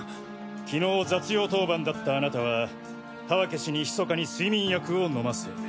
昨日雑用当番だったあなたは田分氏に密かに睡眠薬を飲ませ。